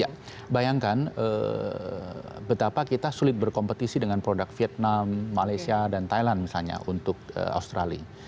ya bayangkan betapa kita sulit berkompetisi dengan produk vietnam malaysia dan thailand misalnya untuk australia